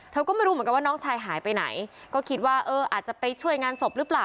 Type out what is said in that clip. ก็ไม่รู้เหมือนกันว่าน้องชายหายไปไหนก็คิดว่าเอออาจจะไปช่วยงานศพหรือเปล่า